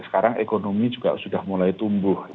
sekarang ekonomi juga sudah mulai tumbuh